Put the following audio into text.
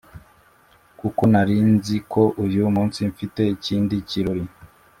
kuko nari nzi ko uyumunsi mfite ikindi kirori